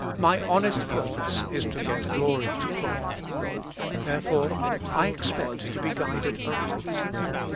My honest pur pose is to get glory to God. Therefore I expect to be guided aright.